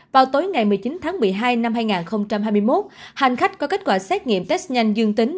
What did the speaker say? vào tối ngày một mươi chín tháng một mươi hai năm hai nghìn hai mươi một hành khách có kết quả xét nghiệm test nhanh dương tính